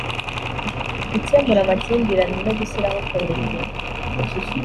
gukemura amakimbirane no gushyiraho komite